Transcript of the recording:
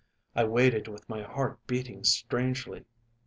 I waited with my heart beating strangely.